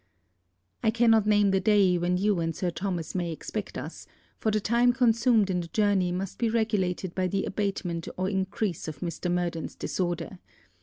I cannot name the day when you and Sir Thomas may expect us, for the time consumed in the journey must be regulated by the abatement or increase of Mr. Murden's disorder.